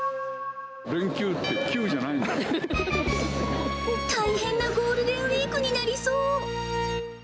連休って、大変なゴールデンウィークになりそう。